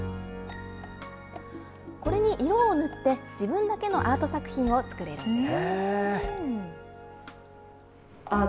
これに色を塗って、自分だけのアート作品を作れるんです。